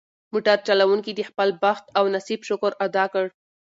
موټر چلونکي د خپل بخت او نصیب شکر ادا کړ.